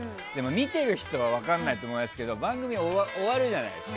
見てる人は分からないと思いますけど番組が終わるじゃないですか。